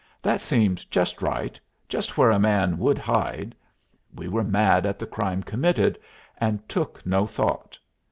That seemed just right; just where a man would hide. We were mad at the crime committed, and took no thought.